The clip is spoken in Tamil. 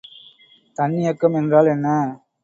தன்னியக்கம் என்றால் என்ன?